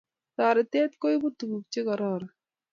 Toretet kuibu tuguk Che kororon